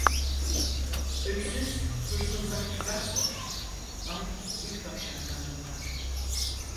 Öksüz hırsızlığa çıkarsa ay ilk akşamdan doğar.